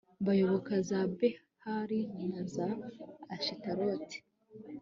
bayoboka za behali na za ashitaroti